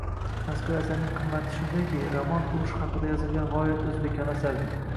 Mazkur asarning qimmati shundaki, roman urush haqida yozilgan g`oyat o`zbekona asardir